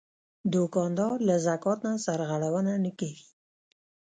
دوکاندار له زکات نه سرغړونه نه کوي.